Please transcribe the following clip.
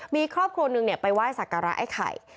มีครอบครัวหนึ่งไปไหว้สักการะไอ้ไข่